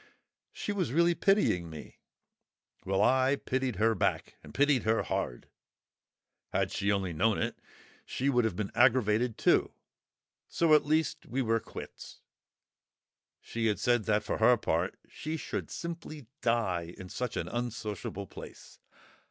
She was really pitying me! Well, I pitied her back, and pitied her hard; had she only known it, she would have been aggravated too. So at least we were quits. She had said that, for her part, she should simply die in such an unsociable place.